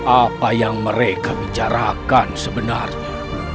apa yang mereka bicarakan sebenarnya